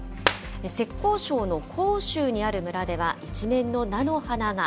浙江省の杭州にある村では、一面の菜の花が。